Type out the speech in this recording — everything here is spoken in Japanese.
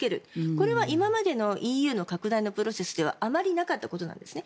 これは今までのＥＵの拡大のプロセスではあまりなかったことなんですね。